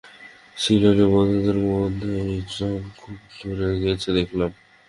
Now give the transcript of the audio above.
সিলোনের বৌদ্ধদের মধ্যে ঐ ঢঙ খুব ধরে গেছে দেখলাম।